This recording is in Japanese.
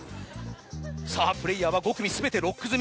さぁプレーヤーは５組全てロック済み。